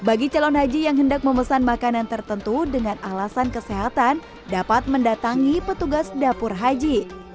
bagi calon haji yang hendak memesan makanan tertentu dengan alasan kesehatan dapat mendatangi petugas dapur haji